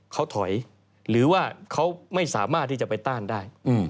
เขาถอยหรือว่าเขาไม่สามารถที่จะไปต้านได้